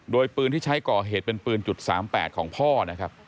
โดยปืนที่ใช้ก่อเหตุเป็นปืน๓๘ของพ่อนะครับ